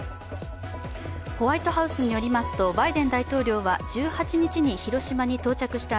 ホワイトハウスによりますとバイデン大統領は１８日に広島に到着した